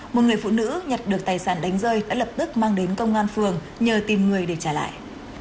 một người phụ nữ nhặt được tài sản đánh rơi đã lập tức mang đến công an phường nhờ tìm người để trả lại